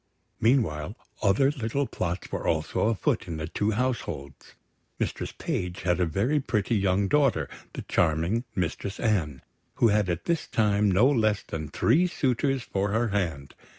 Meanwhile, other little plots were also afoot in the two households. Mistress Page had a very pretty young daughter, charming Mistress Anne, who had at this time no less than three suitors for her hand.